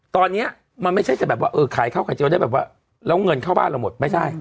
ตอนนี้มันไม่ใช่จะแบบว่าเออขายข้าวไข่เจียวได้แบบว่าแล้วเงินเข้าบ้านเราหมดไม่ใช่